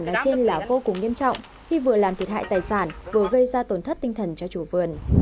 công ty bnđ là vô cùng nghiêm trọng khi vừa làm thiệt hại tài xản vừa gây ra tổn thất tinh thần cho chủ vườn